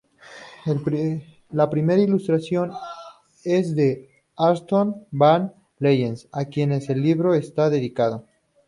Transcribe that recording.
La primera ilustración es de Antoon van Leyen, a quien el libro está dedicado.